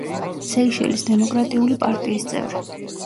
სეიშელის დემოკრატიული პარტიის წევრი.